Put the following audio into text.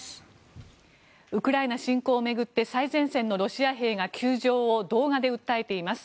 ウクライナ侵攻を巡って最前線のロシア兵が窮状を動画で訴えています。